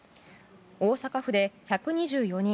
大阪府で１２４人